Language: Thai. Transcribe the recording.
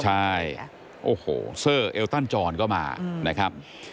ใช่โอ้โหเซอร์เอลตันจรก็มานะครับ